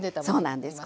そうなんです。